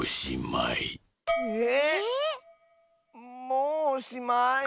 もうおしまい？